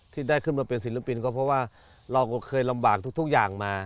ที่ได้ขึ้นมาเป็นศิลปินก็เพราะว่าเราก็เคยลำบากทุกอย่างมา